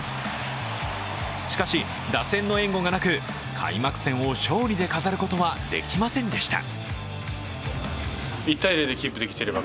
しかし打線の援護がなく開幕戦を勝利で飾ることはできませんでした。